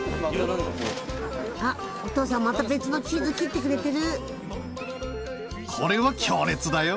あお父さんまた別のチーズ切ってくれてる。